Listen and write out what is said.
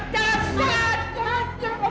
jangan jangan jangan